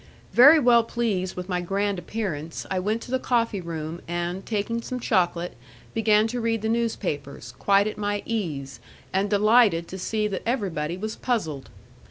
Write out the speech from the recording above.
Very well pleased with my grand appearance, I went to the coffee room, and, taking some chocolate, began to read the newspapers, quite at my ease, and delighted to see that everybody was puzzled.